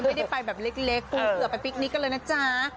ไม่ได้ไปแบบเล็กปูเสือไปฟิกนิกกันเลยนะจ๊ะ